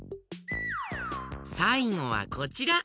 さいごはこちら。